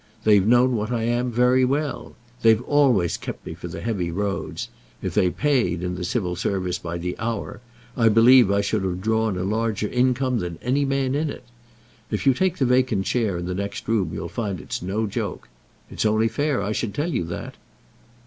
They've known what I am very well. They've always kept me for the heavy roads. If they paid, in the Civil Service, by the hour, I believe I should have drawn a larger income than any man in it. If you take the vacant chair in the next room you'll find it's no joke. It's only fair that I should tell you that."